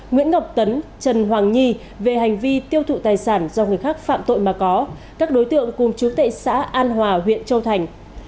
nguyễn ngọc tấn trần hoàng nhi về hành vi tiêu thụ tài sản do người khác phạm tội mà có các đối tượng cùng chú tệ xã an hòa huyện châu thành